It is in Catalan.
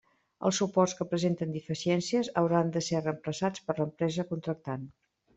Els suports que presenten deficiències hauran de ser reemplaçats per l'empresa contractant.